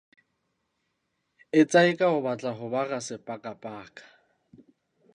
Etsa e ka o batla ho ba rasepakapaka.